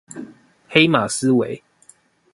黑馬思維